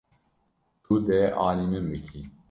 Tu dê alî min bikî.